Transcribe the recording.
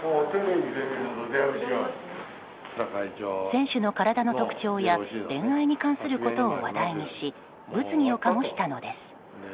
選手の体の特徴や恋愛に関することを話題にし物議を醸したのです。